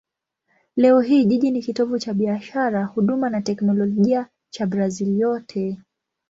Leo hii jiji ni kitovu cha biashara, huduma na teknolojia cha Brazil yote.